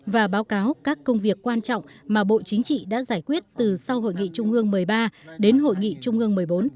và báo cáo các công việc quan trọng mà bộ chính trị đã giải quyết từ sau hội nghị trung ương một mươi ba đến hội nghị trung ương một mươi bốn